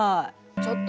ちょっと！